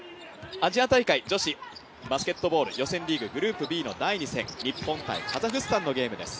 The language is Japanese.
アジア大会女子バスケットボール予選リーググループＢの第２戦日本×カザフスタンのゲームです。